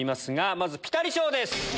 まずピタリ賞です。